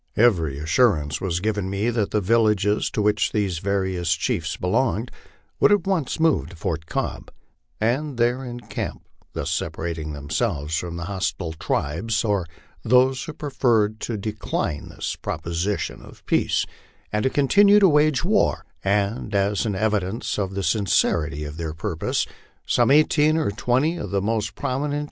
Every assurance was given me that the villages to which these various chiefs belonged would at once move to Fort Cobb, and there encamp, thus separat ing themselves from the hostile tribes, or those who preferred to decline this proposition of peace, and to continue to wage war ; and as an evidence of the sincerity of their purpose, some eighteen or twenty of the most prominent LIFE ON THE PLAINS.